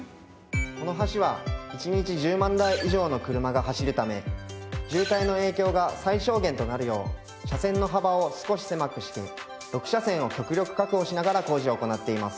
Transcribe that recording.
この橋は一日１０万台以上の車が走るため渋滞の影響が最小限となるよう車線の幅を少し狭くして６車線を極力確保しながら工事を行っています。